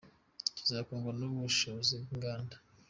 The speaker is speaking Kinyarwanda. Kizakundwa n’ubushobozi bw’inganda.